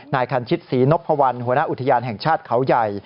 นายคันชิตศรีนพวัลหัวหน้าอุทยานแห่งชาติเขาใหญ่